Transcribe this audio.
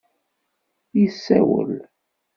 Yessawel.